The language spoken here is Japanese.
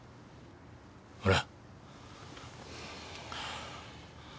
ほら。